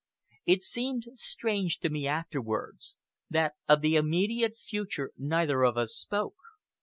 It seemed to me strange afterwards, that of the immediate future neither of us spoke.